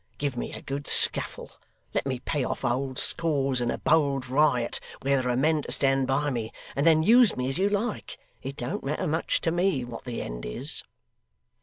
Give me a good scuffle; let me pay off old scores in a bold riot where there are men to stand by me; and then use me as you like it don't matter much to me what the end is!